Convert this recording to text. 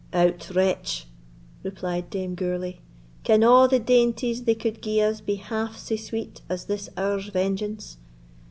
"Out, wretch!" replied Dame Gourlay, "can a' the dainties they could gie us be half sae sweet as this hour's vengeance?